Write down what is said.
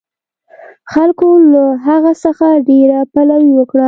خلکو له هغه څخه ډېره پلوي وکړه.